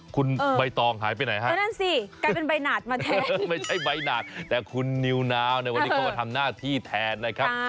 คุณใบตองหายไปไหนฮะนั่นสิกลายเป็นใบหนาดมาแทนไม่ใช่ใบหนาดแต่คุณนิวนาวในวันนี้เขามาทำหน้าที่แทนนะครับ